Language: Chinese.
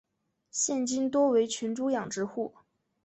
现今多为群猪养殖户。